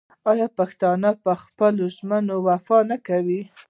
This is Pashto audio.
آیا پښتون په خپلو ژمنو وفا نه کوي؟